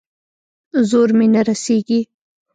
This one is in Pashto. زور مې نه رسېږي.